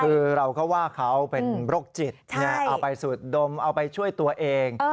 คือเราก็ว่าเขาเป็นโรคจิตเอาไปสูดดมเอาไปช่วยตัวเอง